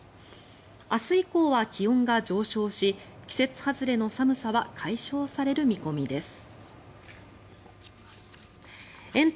明日以降は気温が上昇し季節外れの寒さは解消される見込みです。